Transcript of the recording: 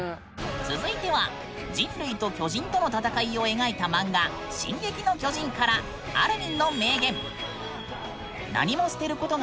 続いては人類と巨人との戦いを描いた漫画「進撃の巨人」からいやいや。